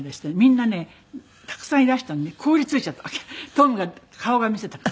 トムが顔を見せたから。